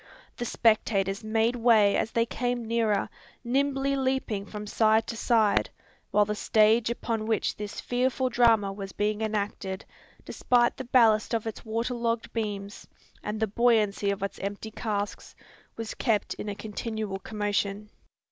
The spectators made way as they came nearer, nimbly leaping from side to side; while the stage upon which this fearful drama was being enacted, despite the ballast of its water logged beams, and the buoyancy of its empty casks, was kept in a continual commotion.